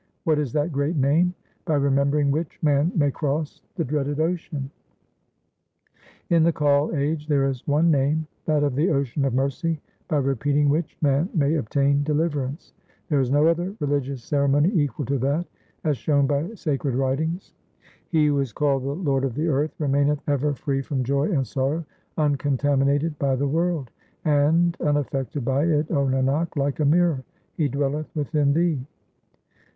What is that great name, by remembering which man may cross the dreaded ocean ? In the Kal age there is one Name, that of the Ocean of mercy, by repeating which man may obtain deliverance ; There is no other religious ceremony equal to that, as shown by sacred writings. 400 THE SIKH RELIGION He who is called the Lord of the earth, remaineth ever free from joy and sorrow, uncontaminated by the world, And unaffected by it, 0 Nanak, like a mirror ; He dwelleth within thee.